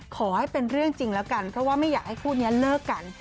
ขอให้เป็นเรื่องจริงแล้วกันเพราะว่าไม่อยากให้คู่นี้เลิกกัน